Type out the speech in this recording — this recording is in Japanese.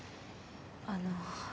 あの。